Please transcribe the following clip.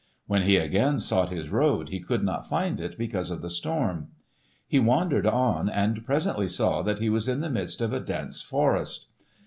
When he again sought his road he could not find it because of the storm. He wandered on, and presently saw that he was in the midst of a dense forest.